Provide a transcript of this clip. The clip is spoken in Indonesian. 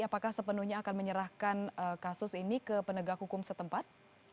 apakah sepenuhnya akan menyerahkan kasus ini ke penegak hukum setempat